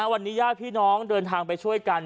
วันนี้ญาติพี่น้องเดินทางไปช่วยกัน